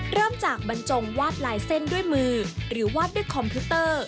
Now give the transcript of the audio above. เริ่มจากบรรจงวาดลายเส้นด้วยมือหรือวาดด้วยคอมพิวเตอร์